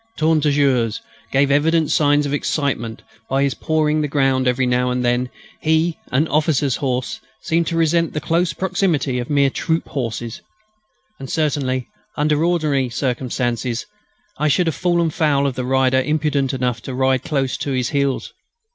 "Tourne Toujours" gave evident signs of excitement. By his pawing the ground every now and then he, an officer's horse, seemed to resent the close proximity of mere troop horses. And certainly, under ordinary circumstances, I should have fallen foul of the rider imprudent enough to ride close to his heels.